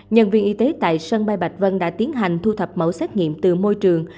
nhân viên y tế tại sân bay bạch vân đã tiến hành thu thập mẫu xét nghiệm từ môi trường